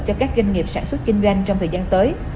cho các doanh nghiệp sản xuất kinh doanh trong thời gian tới